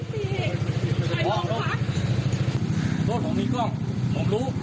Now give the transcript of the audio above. ผมมีกล้องผมรู้